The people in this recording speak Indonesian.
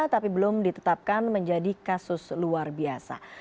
tapi belum ditetapkan menjadi kasus luar biasa